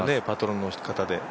パトロンの方で。